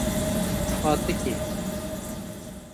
Fatikê